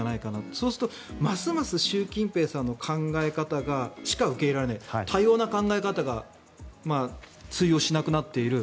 そうすると、ますます習近平さんの考え方しか受け入れられない多様な考え方が通用しなくなっている。